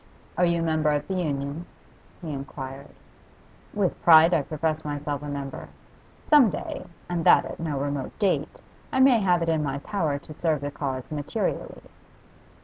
'Are you a member of the Union?' he inquired. 'With pride I profess myself a member. Some day and that at no remote date I may have it in my power to serve the cause materially.